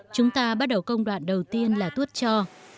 chúng ta bắt đầu công đoạn đầu tiên là tuốt cho